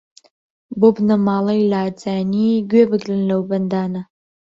بۆ بنەماڵەی لاجانی گوێ بگرن لەو بەندانە